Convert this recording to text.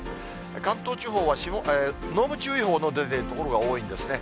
関東地方は濃霧注意報の出ている所が多いんですね。